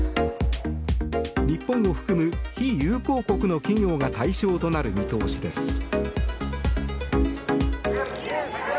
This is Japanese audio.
日本を含む非友好国の企業が対象となる見通しです。